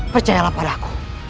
percayalah pada aku